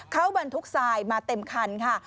เขาบรรทุกทรายมาเต็มคันค่ะ